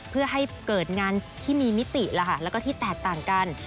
เพื่อให้เกิดงานที่มีมิติแล้วก็ที่แตกต่างกัน